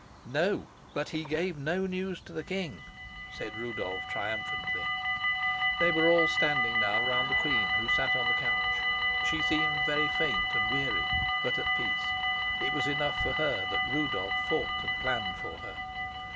"No, but he gave no news to the king," said Rudolf triumphantly. They were all standing now round the queen, who sat on the couch. She seemed very faint and weary, but at peace. It was enough for her that Rudolf fought and planned for her.